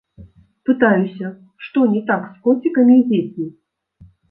Пытаюся, што не так з коцікамі і дзецьмі.